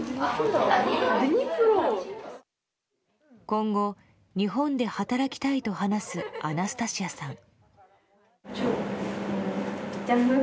今後、日本で働きたいと話すアナスタシアさん。